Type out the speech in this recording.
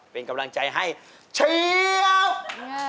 เป็นกำลังใจให้เชียว